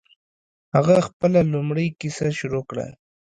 هغه خپله لومړۍ کیسه شروع کړه.